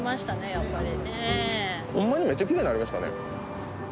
やっぱりねホンマにめっちゃきれいになりましたね